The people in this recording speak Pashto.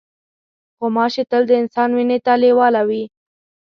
غوماشې تل د انسان وینې ته لیواله وي.